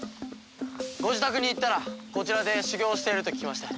ご自宅に行ったらこちらで修行をしていると聞きまして。